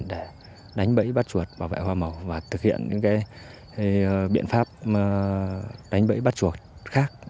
để đánh bẫy bắt chuột bảo vệ hoa màu và thực hiện những biện pháp đánh bẫy bắt chuột khác